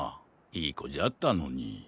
いいこじゃったのに。